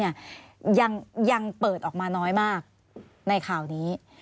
ยังเปิดออกมาน้อยมากในข่าวนี้